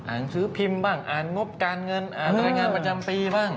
ซื้อพิมพ์บ้างอ่านงบการเงินอ่านรายงานประจำปีบ้าง